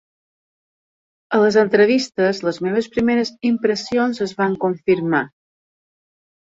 A les entrevistes, les meves primeres impressions es van confirmar.